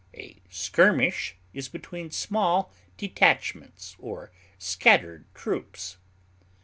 A skirmish is between small detachments or scattered troops.